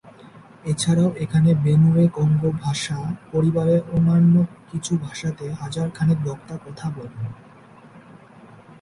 এছাড়াও এখানে বেনুয়ে-কঙ্গো ভাষা পরিবারের অন্যান্য কিছু ভাষাতে হাজার খানেক বক্তা কথা বলেন।